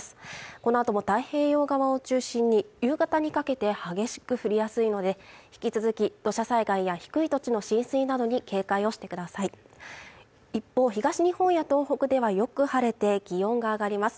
このあとも太平洋側を中心に夕方にかけて激しく降りやすいので引き続き土砂災害や低い土地の浸水などに警戒をしてください一方東日本や東北ではよく晴れて気温が上がります